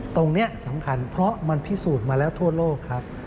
ตรงนี้สำคัญเพราะมันพิสูจน์มาแล้วทั่วโลกครับ